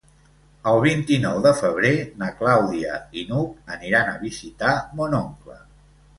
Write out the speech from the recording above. El vint-i-nou de febrer na Clàudia i n'Hug aniran a visitar mon oncle.